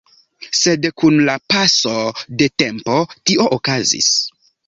Sed kun la paso de tempo, tio okazis.